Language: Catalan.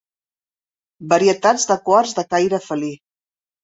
Varietats de quars de caire felí.